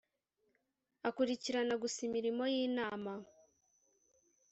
akurikirana gusa imirimo y ‘inama .